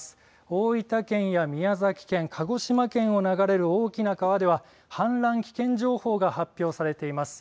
大分県や宮崎県、鹿児島県を流れる大きな川では氾濫危険情報が発表されています。